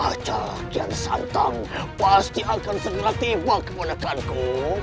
acah kian santang pasti akan segera tiba ke manakanku